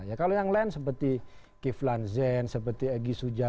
ya kalau yang lain seperti kiflan zen seperti egy sujana